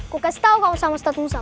dengar kata ustaz bella